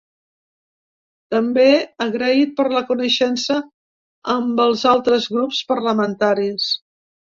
També agraït per la coneixença amb els altres grups parlamentaris.